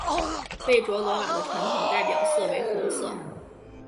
贝卓罗瓦的传统代表色为红色。